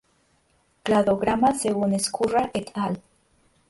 Cladograma según Ezcurra "et al.